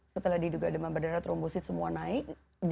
setelah diduga demam berdarah trombosit semua naik